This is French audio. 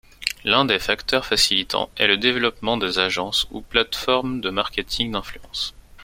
L'un des facteurs facilitant est le développement des agences ou plateformes de marketing d'influence.